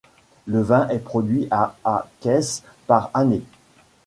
Le vin est produit à à caisses par année.